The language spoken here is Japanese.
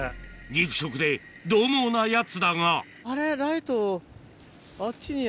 肉食でどう猛なやつだがあれ？